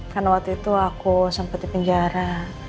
karena waktu itu aku sempat di penjara